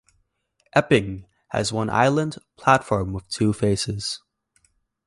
Epping has one island platform with two faces.